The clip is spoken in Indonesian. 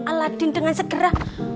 aladin dengan segera